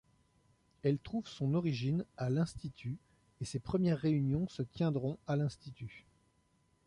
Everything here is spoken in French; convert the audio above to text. Elle trouve son origine à l’Institut et ses premières réunions se tiendront à l’Institut.